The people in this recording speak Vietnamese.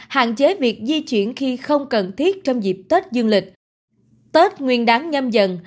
hạn chế việc di chuyển khi không cần thiết trong dịp tết dương lịch tết nguyên đáng nhâm dần